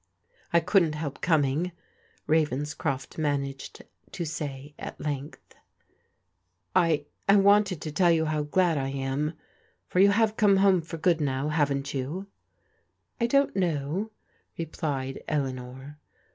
" I couldn't help coming," Ravenscrof t managed to say at length. " I — I wanted to tell you how glad I am, — for you have come home for good now, haven't you? " I don't know," replied Eleanor.